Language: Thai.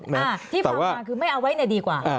ที่เปิดมาคือไม่เอาไว้ดีกว่า